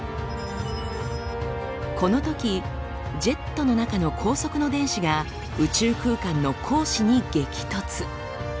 このときジェットの中の高速の電子が宇宙空間の光子に激突。